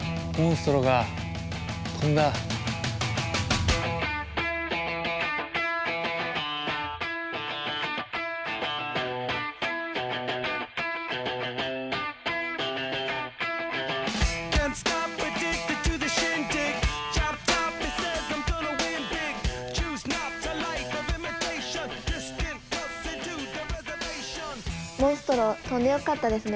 モンストロ飛んでよかったですね。